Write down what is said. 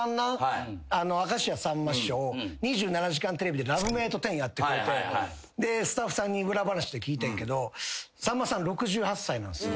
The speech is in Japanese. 明石家さんま師匠『２７時間テレビ』で「ラブメイト１０」やってくれてでスタッフさんに裏話で聞いたんやけどさんまさん６８歳なんすよ。